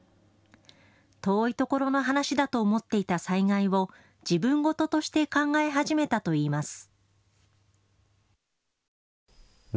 遠い所の話だと思っていた災害を自分事として考え始めたといいます。